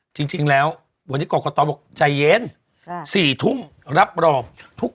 จริงแล้ววันนี้กรกตบอก